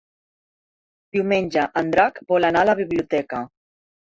Diumenge en Drac vol anar a la biblioteca.